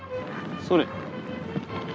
それ。